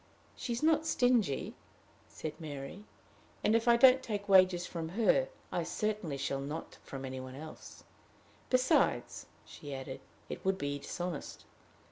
"She is not stingy," said Mary; "and, if I don't take wages from her, I certainly shall not from any one else. Besides," she added, "it would be dishonest."